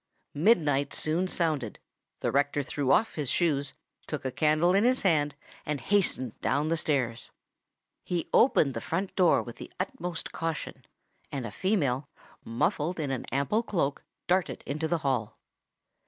Midnight soon sounded: the rector threw off his shoes, took a candle in his hand, and hastened down stairs. He opened the front door with the utmost caution; and a female, muffled in an ample cloak, darted into the hall.